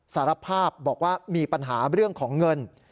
สารภาพบอกว่ามีปัญหาเรื่องของเงิน